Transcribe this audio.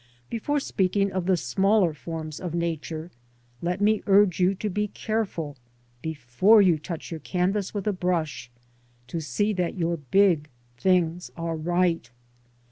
Before speaking of the smaller forms of Nature, le t^me urge y ou to be careful, before you touch your canvas with a b rush, to see that you? big things arejright.